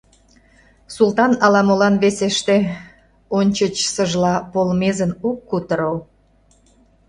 — Султан ала-молан весеште, ончычсыжла полмезын ок кутыро.